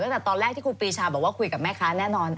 ตั้งแต่ตอนแรกที่ครูปีชาบอกว่าคุยกับแม่ค้าแน่นอน